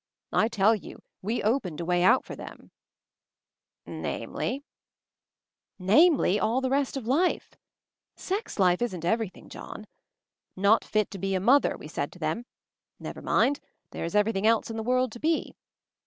I tell you we opened a way out for them 1" "Namely ?"*—. "Namely all the rest of life! Sex life * isn't everything, John. Not fit to be a mother, we said to them ; never mind — there is everything else in the world to be.